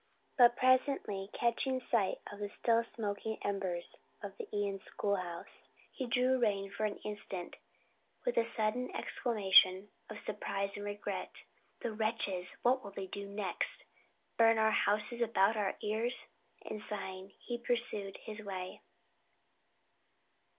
But presently catching sight of the still smoking embers of the Ion school house, he drew rein for an instant with a sudden exclamation of surprise and regret. "The wretches, what will they do next? burn our houses about our ears?" and sighing, he pursued his way.